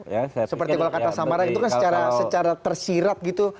ya seperti kata samara itu kan secara tersirat gitu